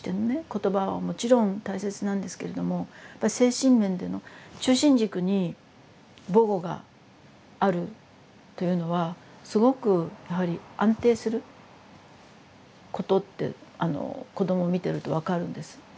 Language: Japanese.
言葉はもちろん大切なんですけれども精神面での中心軸に母語があるというのはすごくやはり安定することってあの子ども見てると分かるんです。